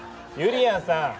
ゆりやんさん！